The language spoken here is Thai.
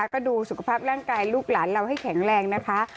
ก็ดูสุขภาพร่างกายลูกหลานเราให้แข็งแรงนะคะ